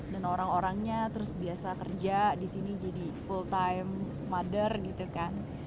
dan orang orangnya terus biasa kerja di sini jadi full time mother gitu kan